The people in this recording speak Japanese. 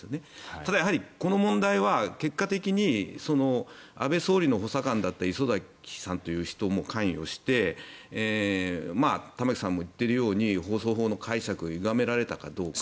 ただ、やはりこの問題は結果的に安倍総理の補佐官だった礒崎さんという人も関与して玉木さんも言っているように放送法の解釈がゆがめられたかどうか。